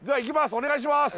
お願いします。